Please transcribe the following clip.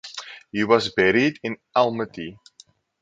He was buried in Almaty.